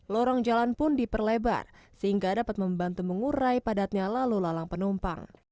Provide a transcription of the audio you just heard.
lorong jalan pun diperlebar sehingga dapat membantu mengurai padatnya lalu lalang penumpang